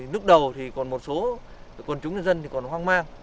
lúc đầu thì còn một số quân chúng nhân dân còn hoang mang